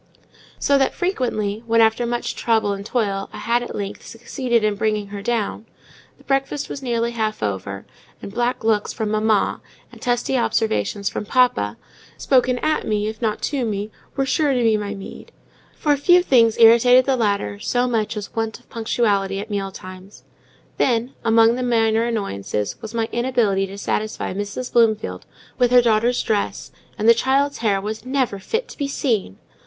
So that, frequently, when, after much trouble and toil, I had, at length, succeeded in bringing her down, the breakfast was nearly half over; and black looks from "mamma," and testy observations from "papa," spoken at me, if not to me, were sure to be my meed: for few things irritated the latter so much as want of punctuality at meal times. Then, among the minor annoyances, was my inability to satisfy Mrs. Bloomfield with her daughter's dress; and the child's hair "was never fit to be seen."